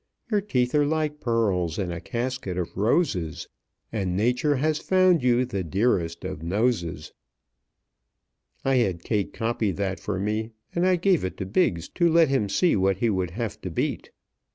"Your teeth are like pearls in A casket of roses, And nature has found you The dearest of noses." I had Kate copy that for me, and I gave it to Biggs to let him see what he would have to beat.